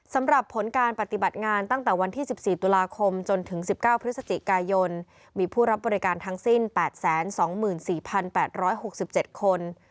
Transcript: สำหรับผลการปฏิบัติงานตั้งแต่วันที่๑๔ตุลาคมจนถึง๑๙พฤศจิกายนมีผู้รับบริการทั้งสิ้น๘๒๔๘๖๗คน